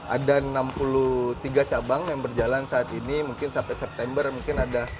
ada enam puluh tiga cabang yang berjalan saat ini mungkin sampai september mungkin ada